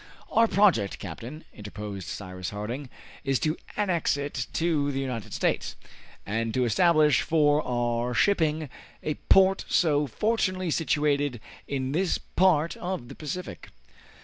"Our project, captain," interposed Cyrus Harding, "is to annex it to the United States, and to establish for our shipping a port so fortunately situated in this part of the Pacific."